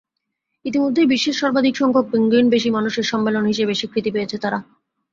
ইতিমধ্যেই বিশ্বের সর্বাধিক সংখ্যক পেঙ্গুইনবেশী মানুষের সম্মেলন হিসেবে স্বীকৃতি পেয়েছে তারা।